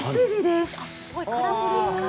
すごいカラフル！